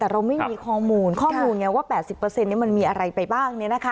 แต่เราไม่มีข้อมูลข้อมูลไงว่า๘๐มันมีอะไรไปบ้าง